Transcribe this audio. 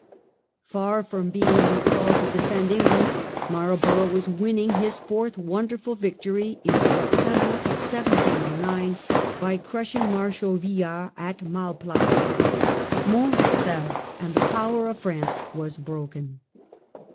Far from being recalled to defend England Marlborough was winning his fourth wonderful victory in September, 1709, by crushing Mar shal Villars at Malplaquet. Mons fell, and the power of France was broken.